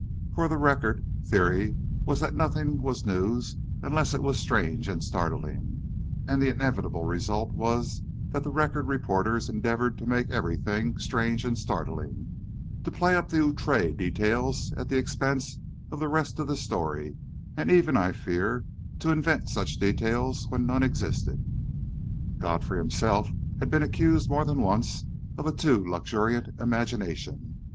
For the Record theory was that nothing was news unless it was strange and startling, and the inevitable result was that the Record reporters endeavoured to make everything strange and startling, to play up the outré details at the expense of the rest of the story, and even, I fear, to invent such details when none existed. Godfrey himself had been accused more than once of a too luxuriant imagination.